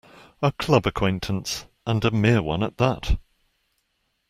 A club acquaintance, and a mere one at that.